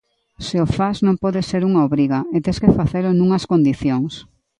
Se o fas, non pode ser unha obriga, e tes que facelo nunhas condicións.